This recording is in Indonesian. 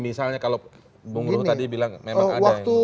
misalnya kalau bung ruhu tadi bilang memang ada yang